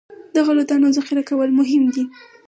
د غلو دانو ذخیره کول مهم دي.